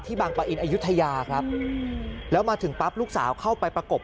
บางปะอินอายุทยาครับแล้วมาถึงปั๊บลูกสาวเข้าไปประกบ